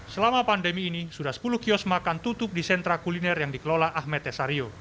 selama pandemi ini sudah sepuluh kios makan tutup di sentra kuliner yang dikelola ahmed tesario